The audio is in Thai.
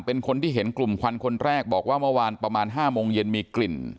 เป็นคนที่เห็นกลุ่มควันคนแรกบอกว่าเมื่อวานประมาณ๕โมงเย็นมีกลิ่น